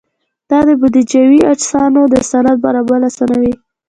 دا د بودیجوي اجناسو د سند برابرول اسانوي.